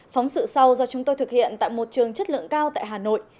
phóng sự sau do chúng tôi thực hiện tại một trường chất lượng cao tại hà nội